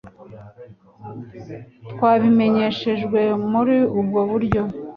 twabimenyeshejwe muri ubwo buryo.